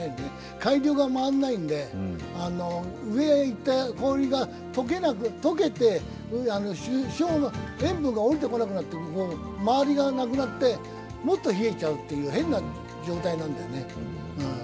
海流が回らないんで、上へいった氷が溶けて潮の塩分が下りてこなくなって、回りがなくなって、もっと冷えちゃうっていう変な状態なんだよね。